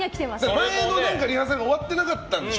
前のリハーサルが終わってなかったんでしょ。